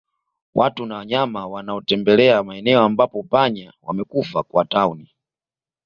Watu na wanyama wanaotembelea maeneo ambapo panya wamekufa kwa tauni